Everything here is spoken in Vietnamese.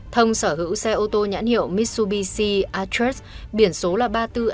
thông sở hữu xe ô tô nhãn hiệu mitsubishi atrus biển số ba mươi bốn a hai mươi nghìn sáu trăm một mươi tám